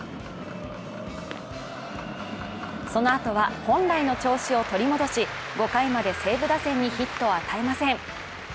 そのあとは本来の調子を取り戻し、５回まで西武打線にヒットを与えません。